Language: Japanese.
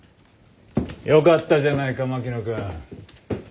よかったじゃないか槙野君。